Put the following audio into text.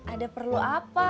ada perlu apa